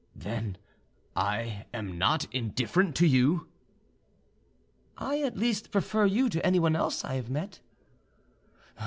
"Then I am not indifferent to you?" "I at least prefer you to anyone else I have met."